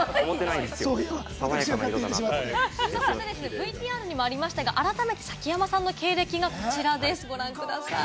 ＶＴＲにもありましたが改めて崎山さんの経歴がこちらです、ご覧ください。